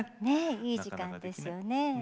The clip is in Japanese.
いい時間ですよね。